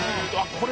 これ。